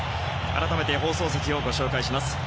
改めて、放送席をご紹介します。